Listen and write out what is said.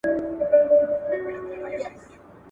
پاکوالی زموږ د ایمان او کلتور یوه مهمه برخه ده.